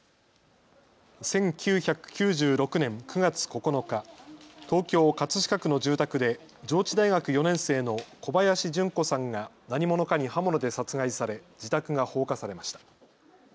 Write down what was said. １９９６年９月９日、東京葛飾区の住宅で上智大学４年生の小林順子さんが何者かに刃物で殺害され自宅が放火されました。